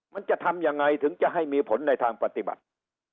มันจะทำยังไงถึงจะให้มีผลในทางปฏิบัติ